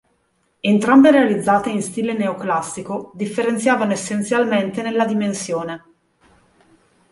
Entrambe realizzate in stile neoclassico, differenziavano essenzialmente nella dimensione.